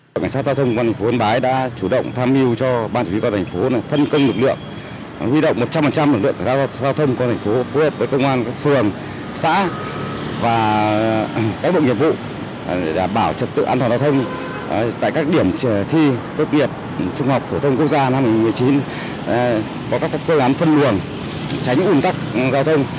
lực lượng cảnh sát giao thông công an thành phố chủ động tăng cường lực lượng tại các khu vực tuyến đường trọng điểm có lượng lớn người và phương tiện tham gia lưu thông